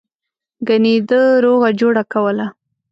گني ده روغه جوړه کوله.